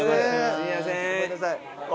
ごめんなさい。